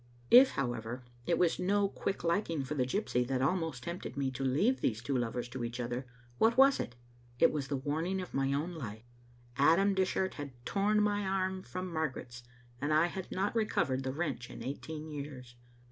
If, however, it was no quick liking for the gypsy that almost tempted me to leave these two lovers to each other, what was it? It was the warning of my own life. Adam Dishart had torn my arm from Margaret's, and I had not recovered the wrench in eighteen years.